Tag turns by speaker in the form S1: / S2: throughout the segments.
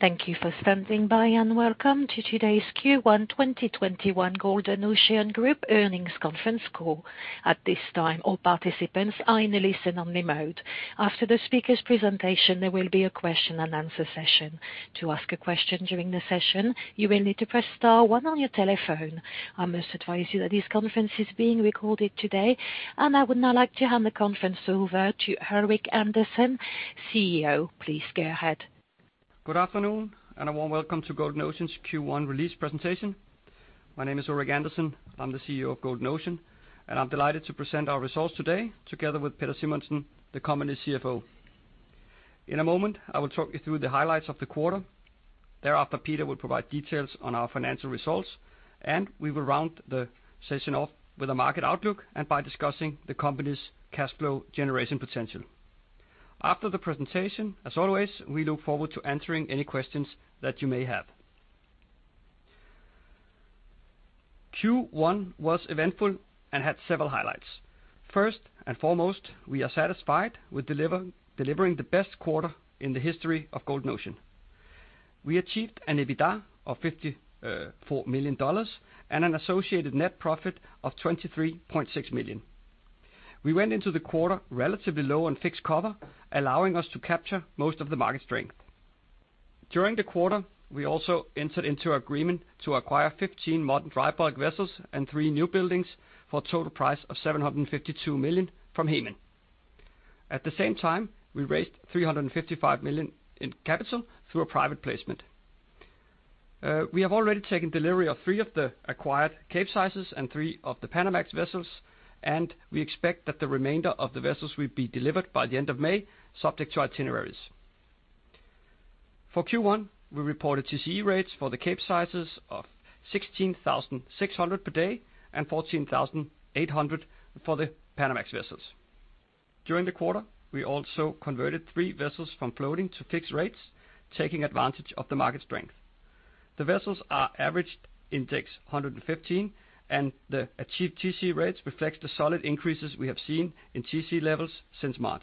S1: Thank you for standing by, and welcome to today's Q1 2021 Golden Ocean Group earnings conference call. At this time, all participants are in a listen-only mode. After the speaker's presentation, there will be a question-and-answer session. To ask a question during the session, you will need to press star one on your telephone. I must advise you that this conference is being recorded today, and I would now like to hand the conference over to Ulrik Andersen, CEO. Please go ahead.
S2: Good afternoon, and a warm welcome to Golden Ocean's Q1 release presentation. My name is Ulrik Andersen. I'm the CEO of Golden Ocean, and I'm delighted to present our results today together with Peder Simonsen, the company's CFO. In a moment, I will talk you through the highlights of the quarter. Thereafter, Peder will provide details on our financial results, and we will round the session off with a market outlook and by discussing the company's cash flow generation potential. After the presentation, as always, we look forward to answering any questions that you may have. Q1 was eventful and had several highlights. First and foremost, we are satisfied with delivering the best quarter in the history of Golden Ocean. We achieved an EBITDA of $54 million and an associated net profit of $23.6 million. We went into the quarter relatively low on fixed cover, allowing us to capture most of the market strength. During the quarter, we also entered into an agreement to acquire 15 modern dry bulk vessels and three newbuildings for a total price of $752 million from Hemen. At the same time, we raised $335 million in capital through a private placement. We have already taken delivery of three of the acquired Capesizes and three of the Panamax vessels, and we expect that the remainder of the vessels will be delivered by the end of May, subject to itineraries. For Q1, we reported TCE rates for the Capesizes of $16,600 per day and $14,800 for the Panamax vessels. During the quarter, we also converted three vessels from floating to fixed rates, taking advantage of the market strength. The vessels' average index is 115, and the achieved TCE rates reflect solid increases we have seen in TCE levels since March.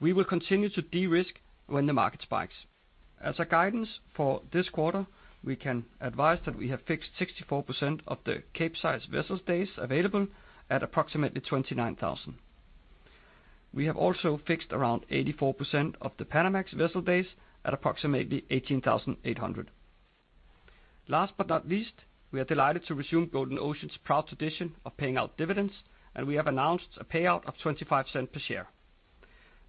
S2: We will continue to de-risk when the market spikes. As guidance for this quarter, we can advise that we have fixed 64% of the Capesize vessels' days available at approximately $29,000 per day. We have also fixed around 84% of the Panamax vessel days at approximately $18,800 per day. Last but not least, we are delighted to resume Golden Ocean's proud tradition of paying out dividends, and we have announced a payout of $0.25 per share.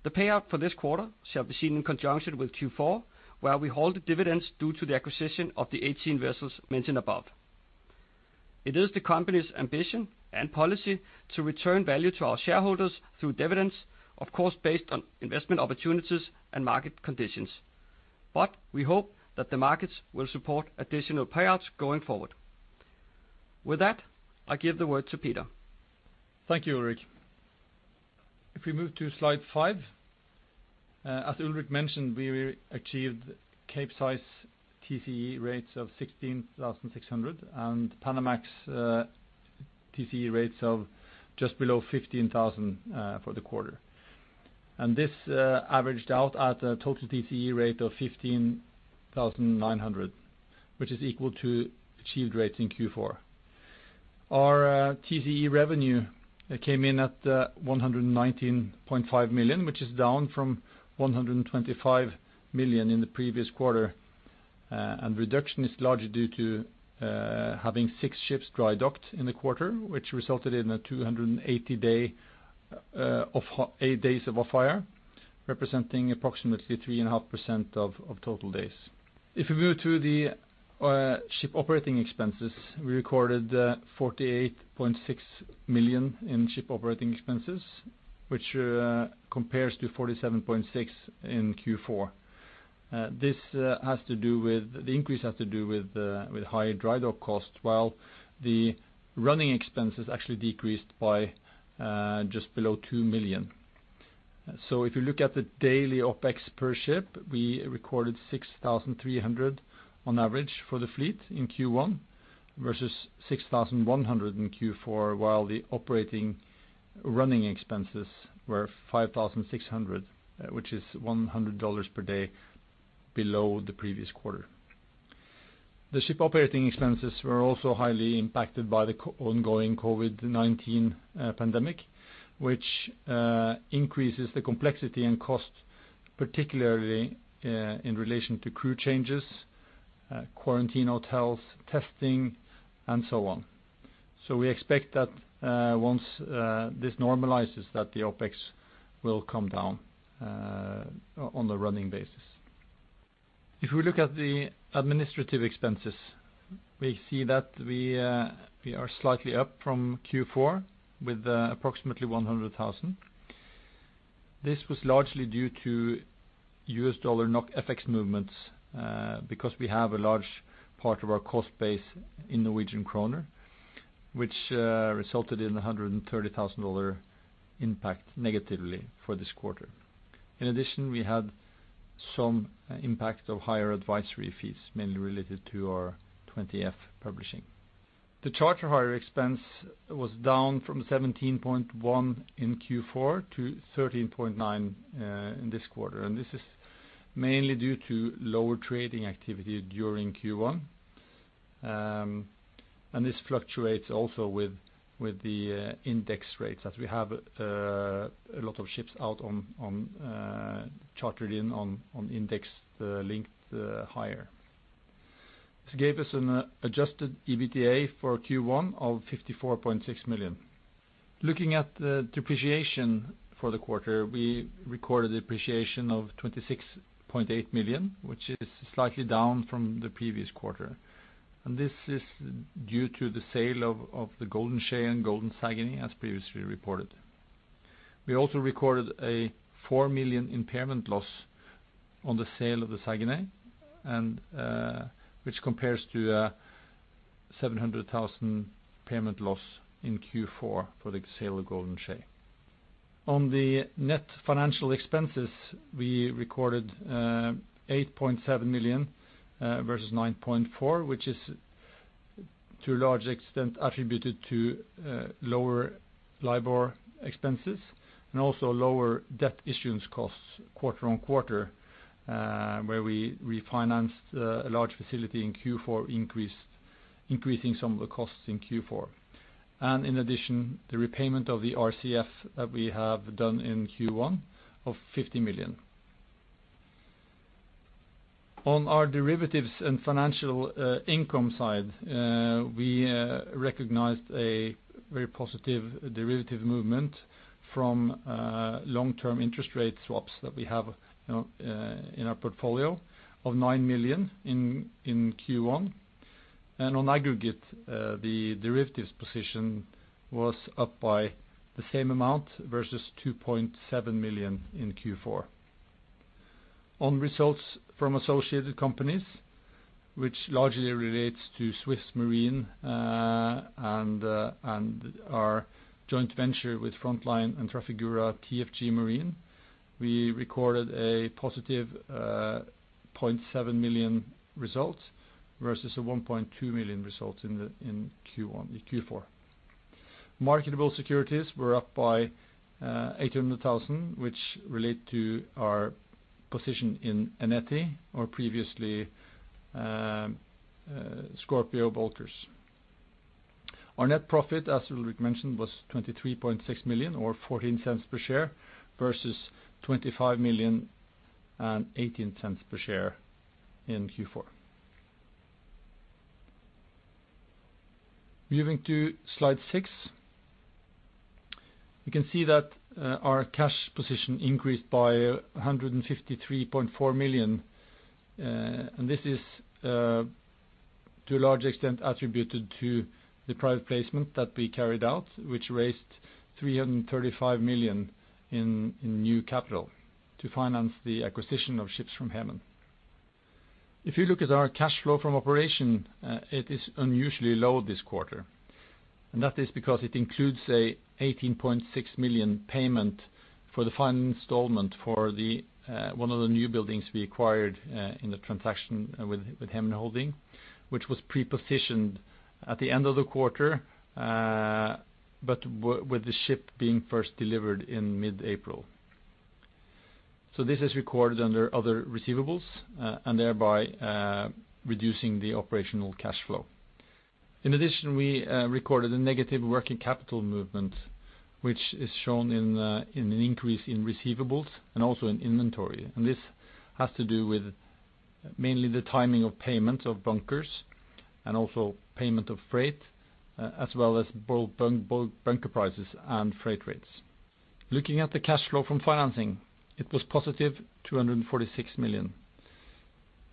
S2: The payout for this quarter shall be seen in conjunction with Q4, where we hold the dividends due to the acquisition of the 18 vessels mentioned above. It is the company's ambition and policy to return value to our shareholders through dividends, of course, based on investment opportunities and market conditions. We hope that the markets will support additional payouts going forward. With that, I give the word to Peder.
S3: Thank you, Ulrik. If we move to slide five. As Ulrik mentioned, we achieved Capesize TCE rates of $16,600 per day and Panamax TCE rates of just below $15,000 per day for the quarter. This averaged out at a total TCE rate of $15,900 per day, which is equal to the achieved rate in Q4. Our TCE revenue came in at $119.5 million, which is down from $125 million in the previous quarter. Reduction is largely due to having six ships dry docked in the quarter, which resulted in 280 days of hire, representing approximately 3.5% of total days. If you move to the ship operating expenses, we recorded $48.6 million in ship operating expenses, which compares to $47.6 million in Q4. The increase has to do with higher dry dock costs, while the running expenses actually decreased by just below $2 million. If you look at the daily OpEx per ship, we recorded $6,300 on average for the fleet in Q1 versus $6,100 in Q4, while the operating running expenses were $5,600 per day, which is $100 per day below the previous quarter. The ship operating expenses were also highly impacted by the ongoing COVID-19 pandemic, which increases the complexity and cost, particularly in relation to crew changes, quarantine hotels, testing, and so on. We expect that once this normalizes, the OpEx will come down on a running basis. If you look at the administrative expenses, we see that we are slightly up from Q4, with approximately $100,000. This was largely due to US dollar Norwegian krone FX movements, because we have a large part of our cost base in Norwegian kroner, which resulted in a $130,000 negative impact for this quarter. In addition, we had some impact of higher advisory fees, mainly related to our Form 20-F filing. The charter hire expense was down from $17.1 million in Q4 to $13.9 million in this quarter. This is mainly due to lower trading activity during Q1. This also fluctuates with the index rates, as we have a lot of ships chartered in on index-linked hire. This gave us an Adjusted EBITDA for Q1 of $54.6 million. Looking at the depreciation for the quarter, we recorded depreciation of $26.8 million, which is slightly down from the previous quarter. This is due to the sale of the Golden Shea and Golden Saguenay as previously reported. We also recorded a $4 million impairment loss on the sale of the Saguenay, which compares to a $700,000 impairment loss in Q4 for the sale of Golden Shea. On the net financial expenses, we recorded $8.7 million versus $9.4 million, which is to a large extent attributed to lower LIBOR expenses and also lower debt issuance costs quarter-on-quarter, where we refinanced a large facility in Q4, increasing some of the costs in Q4. In addition, the repayment of the RCF that we have done in Q1 of $50 million. On our derivatives and financial income side, we recognized a very positive derivative movement from long-term interest rate swaps that we have in our portfolio of $9 million in Q1. On aggregate, the derivatives position was up by the same amount versus $2.7 million in Q4. On results from associated companies, which largely relate to SwissMarine and our joint venture with Frontline and Trafigura, TFG Marine, we recorded a positive $0.7 million result versus a $1.2 million result in Q4. Marketable securities were up by $800,000, which relates to our position in Eneti or previously Scorpio Bulkers. Our net profit, as Ulrik mentioned, was $23.6 million or $0.14 per share versus $25 million and $0.18 per share in Q4. Moving to slide six. You can see that our cash position increased by $153.4 million, and this is to a large extent attributed to the private placement that we carried out, which raised $335 million in new capital to finance the acquisition of ships from Hemen. If you look at our cash flow from operations, it is unusually low this quarter, and that is because it includes an $18.6 million payment for the final installment for one of the newbuildings we acquired in the transaction with Hemen Holding, which was pre-positioned at the end of the quarter, but with the ship being first delivered in mid-April. This is recorded under other receivables, thereby reducing the operational cash flow. In addition, we recorded a negative working capital movement, which is shown in an increase in receivables and also in inventory. This has to do mainly with the timing of payment of bunkers and also payment of freight, as well as both bunker prices and freight rates. Looking at the cash flow from financing, it was positive $246 million,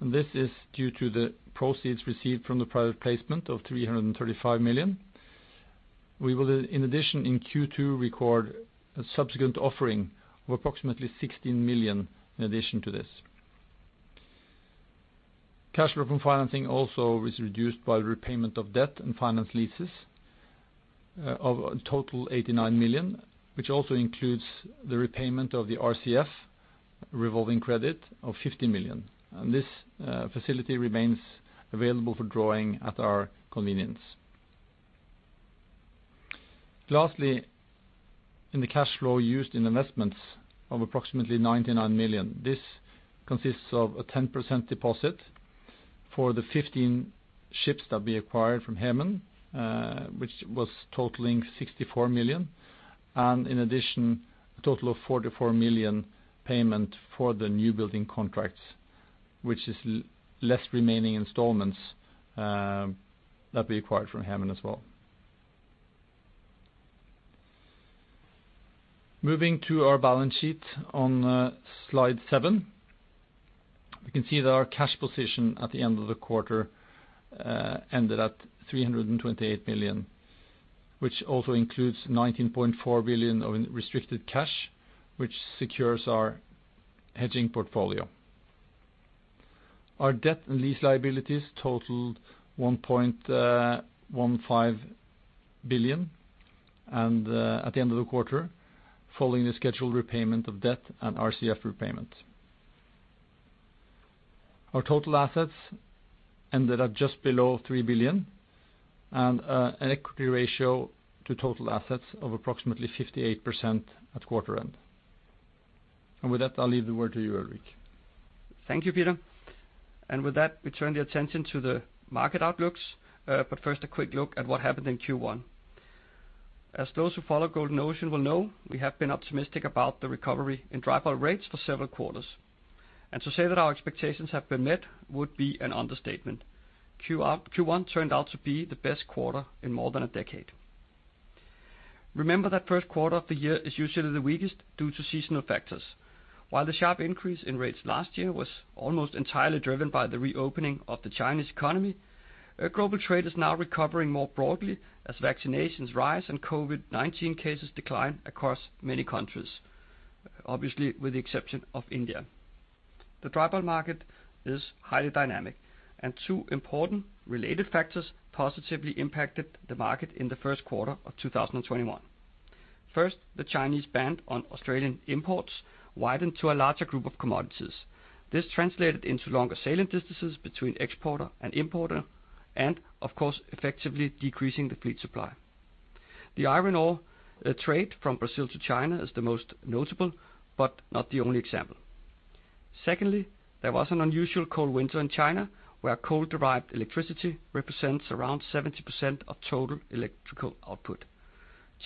S3: and this is due to the proceeds received from the private placement of $335 million. We will, in addition, in Q2 record a subsequent offering of approximately $16 million in addition to this. Cash flow from financing is also reduced by repayment of debt and finance leases of a total $89 million, which also includes the repayment of the RCF revolving credit of $50 million. This facility remains available for drawing at our convenience. Lastly, the cash flow is used in investments of approximately $99 million. This consists of a 10% deposit for the 15 ships that we acquired from Hemen, which totaled $64 million, and in addition, a total of $44 million payment for the newbuilding contracts, which is less remaining installments that we acquired from Hemen as well. Moving to our balance sheet on slide seven. You can see that our cash position at the end of the quarter was $328 million, which also includes $19.4 million of restricted cash, which secures our hedging portfolio. Our debt and lease liabilities totaled $1.15 billion at the end of the quarter, following a scheduled repayment of debt and RCF repayment. Our total assets ended at just below $3 billion, and our equity ratio to total assets was approximately 58% at quarter's end. With that, I'll leave the word to you, Ulrik.
S2: Thank you, Peder. With that, we turn our attention to the market outlooks. First, a quick look at what happened in Q1. As those who follow Golden Ocean will know, we have been optimistic about the recovery in dry bulk rates for several quarters. To say that our expectations have been met would be an understatement. Q1 turned out to be the best quarter in more than a decade. Remember that the first quarter of the year is usually the weakest due to seasonal factors. While the sharp increase in rates last year was almost entirely driven by the reopening of the Chinese economy, global trade is now recovering more broadly as vaccinations rise and COVID-19 cases decline across many countries, obviously, with the exception of India. The dry bulk market is highly dynamic, and two important related factors positively impacted the market in the first quarter of 2021. First, the Chinese ban on Australian imports widened to a larger group of commodities. This translated into longer sailing distances between exporter and importer, and of course, effectively decreasing the fleet supply. The iron ore trade from Brazil to China is the most notable, but not the only example. Secondly, there was an unusually cold winter in China, where coal-derived electricity represents around 70% of total electrical output.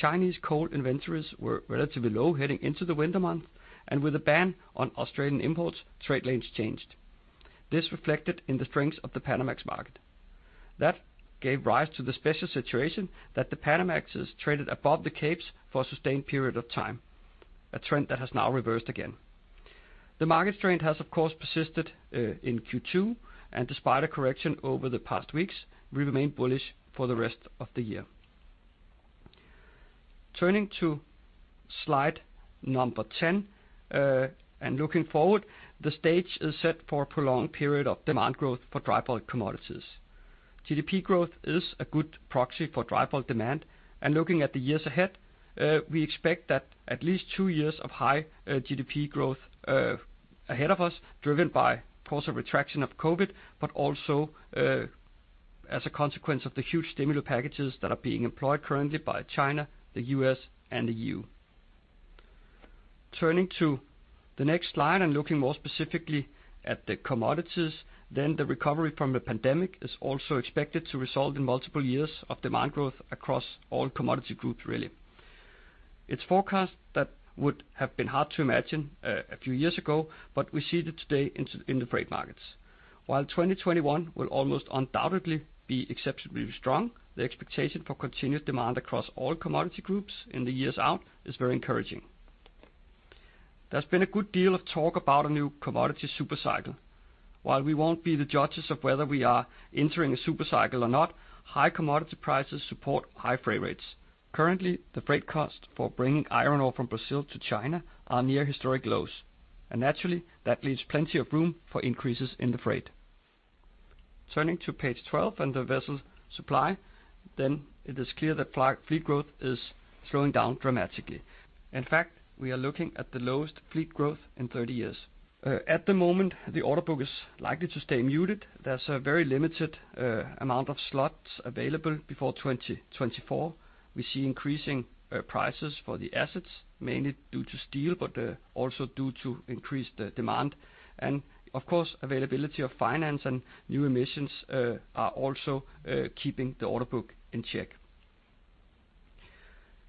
S2: Chinese coal inventories were relatively low heading into the winter months, and with a ban on Australian imports, trade lanes changed. This reflected in the strength of the Panamax market. That gave rise to the special situation that the Panamax is traded above the Capesize vessels for a sustained period of time, a trend that has now reversed again. The market strength has, of course, persisted in Q2, and despite a correction over the past weeks, we remain bullish for the rest of the year. Turning to slide number 10 and looking forward, the stage is set for a prolonged period of demand growth for dry bulk commodities. GDP growth is a good proxy for dry bulk demand, and looking at the years ahead, we expect that at least two years of high GDP growth are ahead of us, driven by, of course, a reduction of COVID cases, but also as a consequence of the huge stimulus packages that are being employed currently by China, the U.S., and the EU. Turning to the next slide and looking more specifically at the commodities, the recovery from the pandemic is also expected to result in multiple years of demand growth across all commodity groups, really. It's a forecast that would have been hard to imagine a few years ago, but we see it today in the freight markets. 2021 will almost undoubtedly be exceptionally strong. The expectation for continued demand across all commodity groups in the years out is very encouraging. There's been a good deal of talk about a new commodity super cycle. We won't be the judges of whether we are entering a super cycle or not; high commodity prices support high freight rates. Currently, the freight cost for bringing iron ore from Brazil to China is near historic lows; naturally, that leaves plenty of room for increases in the freight cost. Turning to page 12 and the vessel supply, it is clear that fleet growth is slowing down dramatically. In fact, we are looking at the lowest fleet growth in 30 years. At the moment, the order book is likely to stay muted. There's a very limited amount of slots available before 2024. We see increasing prices for the assets, mainly due to steel, but also due to increased demand. Of course, the availability of finance and new emissions are also keeping the order book in check.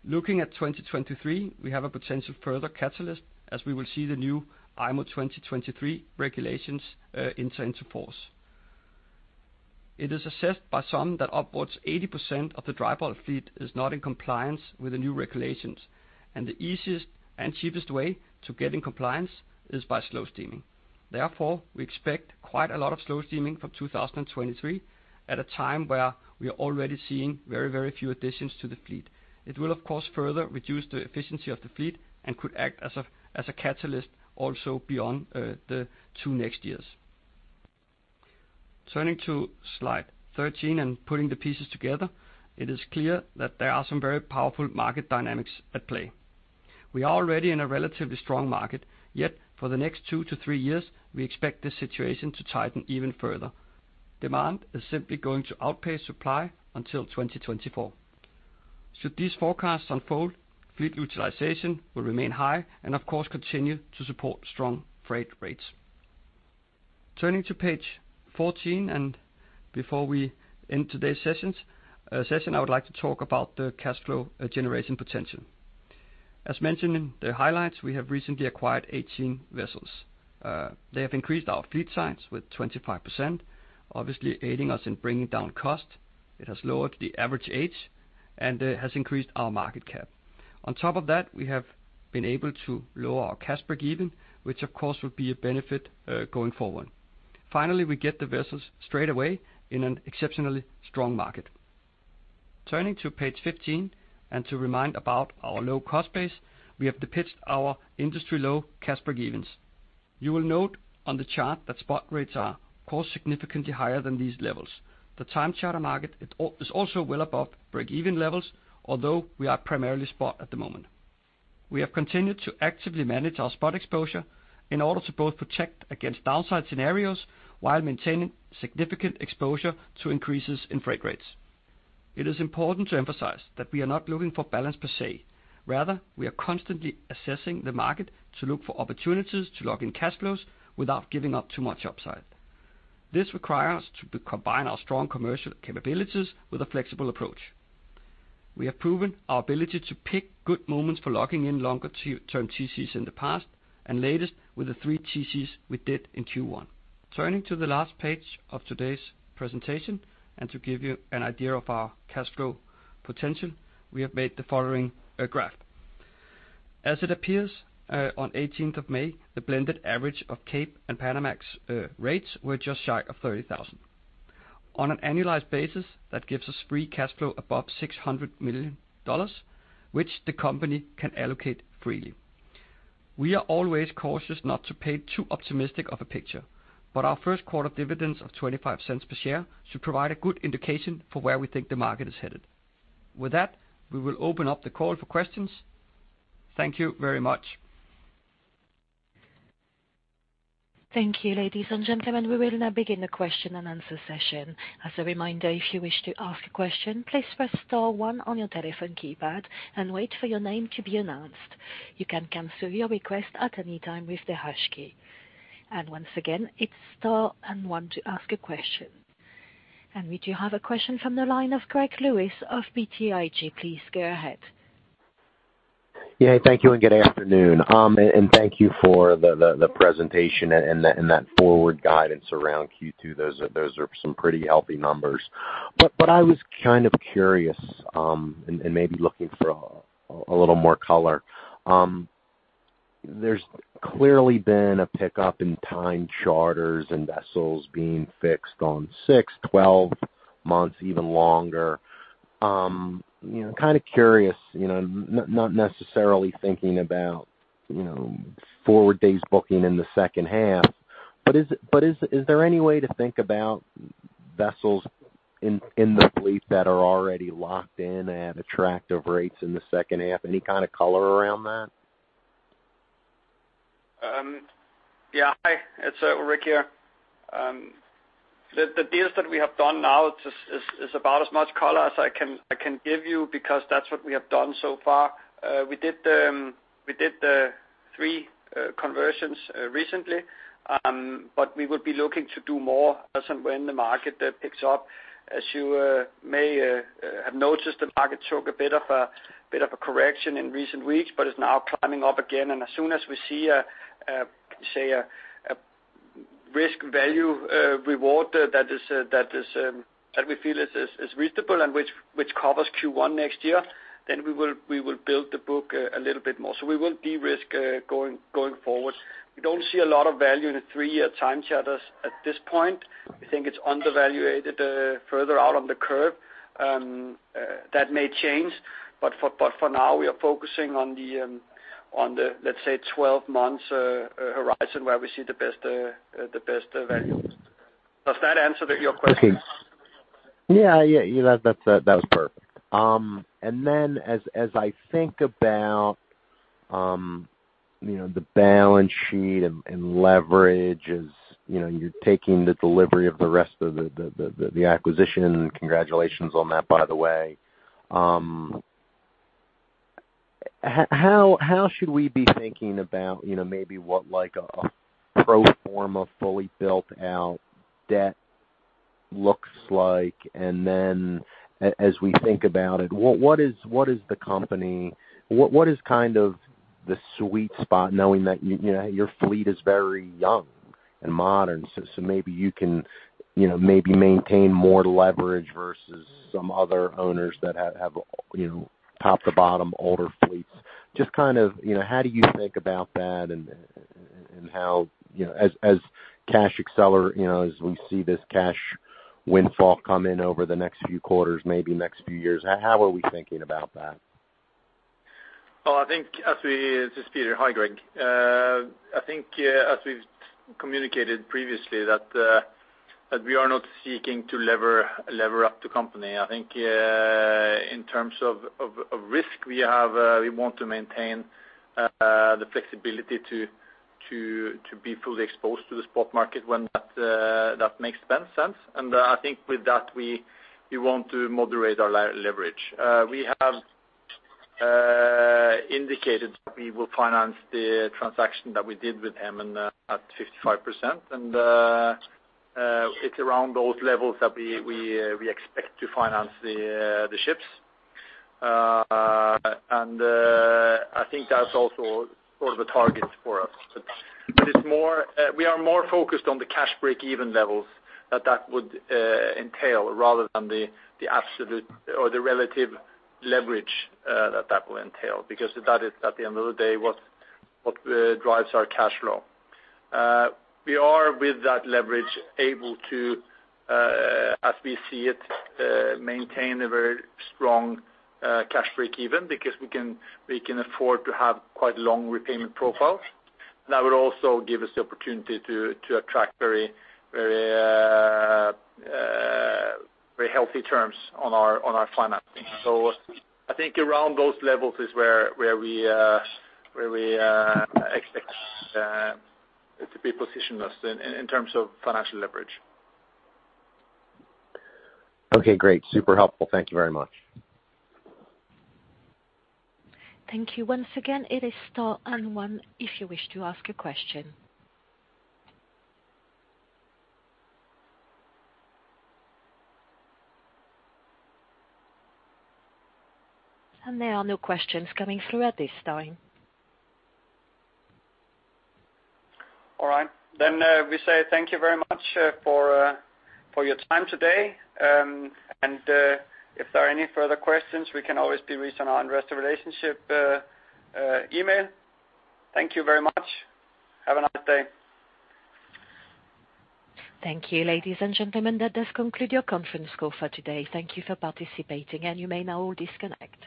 S2: Looking at 2023, we have a potential further catalyst as we will see the new IMO 2023 regulations enter into force. It is assessed by some that upwards 80% of the dry bulk fleet is not in compliance with the new regulations, and the easiest and cheapest way to get in compliance is by slow steaming. Therefore, we expect quite a lot of slow steaming from 2023, at a time when we are already seeing very few additions to the fleet. It will, of course, further reduce the efficiency of the fleet and could also act as a catalyst beyond the next two years. Turning to slide 13 and putting the pieces together, it is clear that there are some very powerful market dynamics at play. We are already in a relatively strong market, yet for the next two to three years, we expect this situation to tighten even further. Demand is simply going to outpace supply until 2024. Should these forecasts unfold, fleet utilization will remain high and, of course, continue to support strong freight rates. Turning to page 14, and before we end today's session, I would like to talk about the cash flow generation potential. As mentioned in the highlights, we have recently acquired 18 vessels. They have increased our fleet size with 25%, obviously aiding us in bringing down costs. It has lowered the average age, and it has increased our market cap. On top of that, we have been able to lower our cash breakeven, which, of course, will be a benefit going forward. Finally, we get the vessels straight away in an exceptionally strong market. Turning to page 15, and to remind you about our low-cost base, we have depicted our industry-low cash breakevens. You will note on the chart that spot rates are, of course, significantly higher than these levels. The time charter market is also well above breakeven levels, although we are primarily spot at the moment. We have continued to actively manage our spot exposure in order to both protect against downside scenarios while maintaining significant exposure to increases in freight rates. It is important to emphasize that we are not looking for balance per se. Rather, we are constantly assessing the market to look for opportunities to lock in cash flows without giving up too much upside. This requires us to combine our strong commercial capabilities with a flexible approach. We have proven our ability to pick good moments for locking in longer-term TCs in the past, and latest with the three TCs we did in Q1. Turning to the last page of today's presentation, and to give you an idea of our cash flow potential, we have made the following graph. As it appears on 18th of May, the blended average of Capesize and Panamax rates was just shy of $30,000 per day. On an annualized basis, that gives us free cash flow above $600 million, which the company can allocate freely. We are always cautious not to paint too optimistic of a picture. Our first quarter dividends of $0.25 per share should provide a good indication of where we think the market is headed. With that, we will open up the call for questions. Thank you very much.
S1: Thank you, ladies and gentlemen. We will now begin the question-and-answer session. As a reminder, if you wish to ask a question, please press star one on your telephone keypad and wait for your name to be announced. You can cancel your request at any time with the hash key. Once again, it's star and one to ask a question. We do have a question from the line of Greg Lewis of BTIG. Please go ahead.
S4: Yeah, thank you. Good afternoon. Thank you for the presentation and the forward guidance around Q2. Those are some pretty healthy numbers. What I was kind of curious about, and maybe looking for a little more color. There's clearly been a pickup in time charters and vessels being fixed on six, 12 months, and even longer. Kind of curious, not necessarily thinking about forward days booking in the second half, but is there any way to think about vessels in the fleet that are already locked in at attractive rates in the second half? Any kind of color around that?
S2: Yeah, hi. It's Ulrik here. The deals that we have done now are about as much color as I can give you, because that's what we have done so far. We did the three conversions recently, but we will be looking to do more as and when the market picks up. As you may have noticed, the market took a bit of a correction in recent weeks, but it's now climbing up again. As soon as we see a risk/value reward that we feel is reasonable and which covers Q1 next year, then we will build the book a little bit more. We will de-risk going forward. We don't see a lot of value in the three-year time charters at this point. We think it's undervalued further out on the curve. That may change, but for now, we are focusing on the, let's say, 12-month horizon where we see the best value. Does that answer your question?
S4: Yeah. That was perfect. As I think about the balance sheet and leverage as you're taking the delivery of the rest of the acquisition, congratulations on that, by the way. How should we be thinking about maybe what a pro forma fully built-out debt looks like? As we think about it, what is kind of the sweet spot, knowing that your fleet is very young and modern, so maybe you can maintain more leverage versus some other owners that have top-to-bottom older fleets. Just kind of how do you think about that, and as cash accelerates, as we see this cash windfall come in over the next few quarters, maybe next few years, how are we thinking about that?
S3: This is Peder. Hi, Greg. I think, as we've communicated previously, that we are not seeking to lever up the company. I think in terms of risk, we want to maintain the flexibility to be fully exposed to the spot market when that makes sense. I think with that, we want to moderate our leverage. We have indicated that we will finance the transaction that we did with Hemen at 65%. It's around those levels that we expect to finance the ships. I think that's also sort of a target for us. We are more focused on the cash breakeven levels that that would entail rather than the absolute or the relative leverage that that will entail. That is, at the end of the day, what drives our cash flow. We are, with that leverage, able to, as we see it, maintain a very strong cash breakeven because we can afford to have quite long repayment profiles. That will also give us the opportunity to attract very healthy terms on our financing. I think around those levels is where we expect to be positioned in terms of financial leverage.
S4: Okay, great. Super helpful. Thank you very much.
S1: Thank you. Once again, it is star and one if you wish to ask a question. There are no questions coming through at this time.
S2: All right. We say thank you very much for your time today. If there are any further questions, we can always do it on our investor relationship email. Thank you very much. Have a nice day.
S1: Thank you, ladies and gentlemen. That does conclude your conference call for today. Thank you for participating, and you may now disconnect.